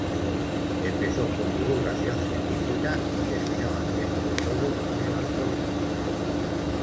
Empezó con divulgación científica y terminó haciendo de todo menos política.